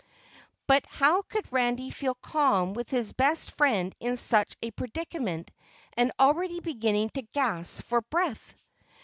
But how could Randy feel calm with his best friend in such a predicament and already beginning to gasp for breath?